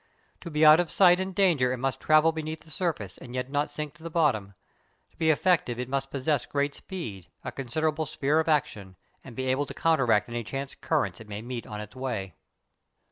To be out of sight and danger it must travel beneath the surface and yet not sink to the bottom; to be effective it must possess great speed, a considerable sphere of action, and be able to counteract any chance currents it may meet on its way.